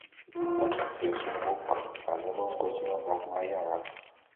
Bi tame fe zu wôk ane mengôs mevok m'ayalane.